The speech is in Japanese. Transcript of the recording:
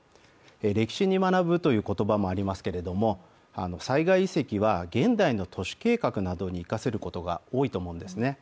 歴史に学ぶという言葉もありますけれども、災害遺跡は現代の都市計画などに生かせるものが多いと思うんです。